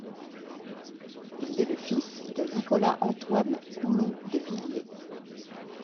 Il est le fils de Nicolas-Antoine Coulon de Villiers.